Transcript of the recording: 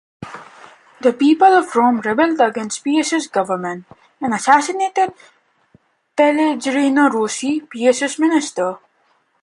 The people of Rome rebelled against Pius' government and assassinated Pellegrino Rossi, Pius' minister.